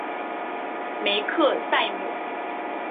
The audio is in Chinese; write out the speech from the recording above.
梅克赛姆。